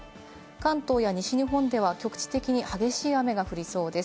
関東や西日本では局地的に激しい雨が降りそうです。